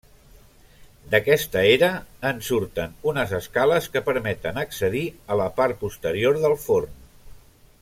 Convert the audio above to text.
D'aquesta era en surten unes escales que permeten accedir a la part posterior del forn.